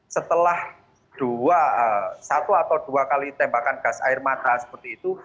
setelah satu atau dua kali tembakan gas air mata seperti itu